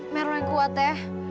mer lu yang kuat ya